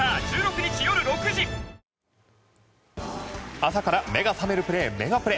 朝から目が覚めるプレーメガプレ。